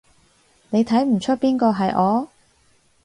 你睇唔岀邊個係我？